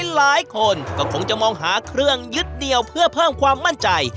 หลายคนก็คงจะมองหาเครื่องยึดเดียวเพื่อเพิ่มความมั่นใจ